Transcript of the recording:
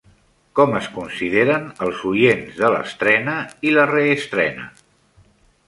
Com es consideren als oients de l'estrena i la reestrena?